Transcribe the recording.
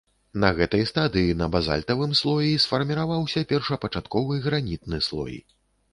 На гэтай стадыі на базальтавым слоі сфарміраваўся першапачатковы гранітны слой.